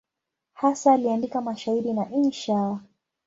Hasa aliandika mashairi na insha.